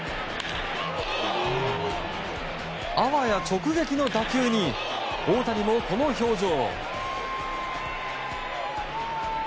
あわや直撃の打球に大谷もこの表情。